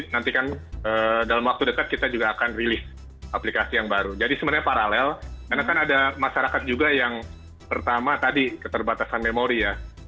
nanti kan dalam waktu dekat kita juga akan rilis aplikasi yang baru jadi sebenarnya paralel karena kan ada masyarakat juga yang pertama tadi keterbatasan memori ya